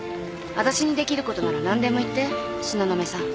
わたしにできることなら何でも言って東雲さん。